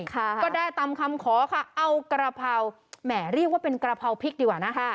ก็ได้ตามคำขอค่ะเอากระเพราแหมเรียกว่าเป็นกระเพราพริกดีกว่านะคะ